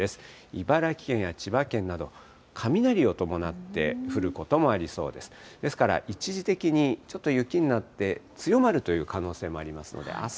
茨城県や千葉県など、雷を伴って降ることもありそうです。